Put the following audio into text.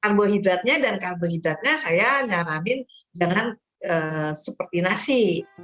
kambu hidratnya dan kambu hidratnya saya nyaramin dengan seperti nasi